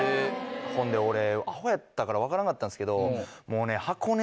ほんで俺アホやったから分からなかったんですけど。